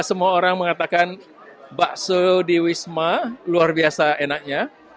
semua orang mengatakan bakso di wisma luar biasa enaknya